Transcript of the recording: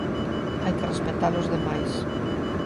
Hai que respectar os demais.